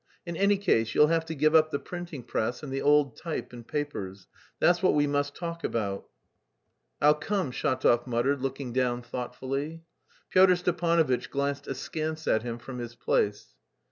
In any case you'll have to give up the printing press and the old type and papers that's what we must talk about." "I'll come," Shatov muttered, looking down thoughtfully. Pyotr Stepanovitch glanced askance at him from his place.